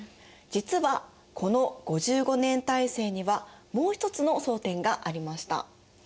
実はこの５５年体制にはもう一つの争点がありました。